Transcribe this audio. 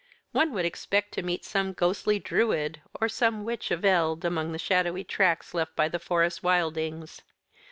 One would expect to meet some ghostly Druid, or some witch of eld, among the shadowy tracks left by the forest wildings.